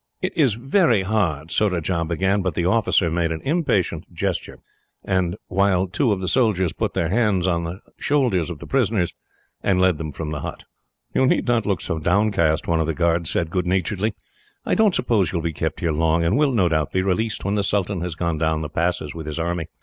"It is very hard " Surajah began; but the officer made an impatient gesture, while two of the soldiers put their hands on the shoulders of the prisoners, and led them from the hut. "You need not look so downcast," one of them said good naturedly. "I don't suppose you will be kept here long; and will, no doubt, be released when the sultan has gone down the passes, with his army.